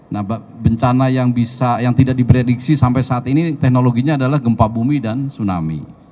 nah bencana yang bisa yang tidak diprediksi sampai saat ini teknologinya adalah gempa bumi dan tsunami